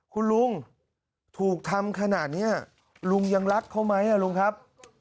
คุณลุงถูกทำขนาดนี้ลุงยังรักเขาไหมลุงครับ